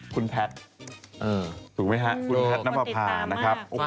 คุณแพทย์เออถูกมั้ยฮะถูกทุกคนติดตามมากนะครับข้าว